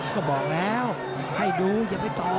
ก็บอกแล้วให้ดูอย่าไปต่อ